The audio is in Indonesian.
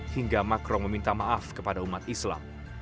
hingga macron meminta maaf kepada umat islam